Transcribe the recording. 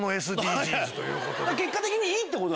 結果的にいいってこと？